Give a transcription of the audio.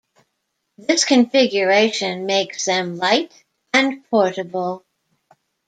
This configuration makes them light and portable.